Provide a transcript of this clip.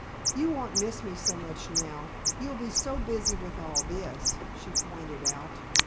"You won't miss me so much now, you'll be so busy with all this," she pointed out.